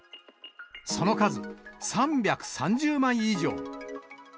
その数、３３０枚以上。